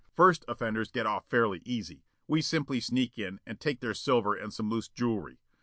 First offenders get off fairly easy. We simply sneak in and take their silver and some loose jewelry.